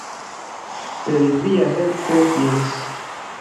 Per via helpo jes!